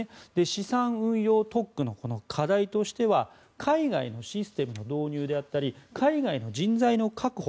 資産運用特区の課題としては海外のシステムの導入であったり海外の人材の確保